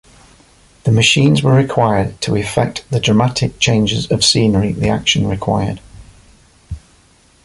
The "machines" were required to effect the dramatic changes of scenery the action required.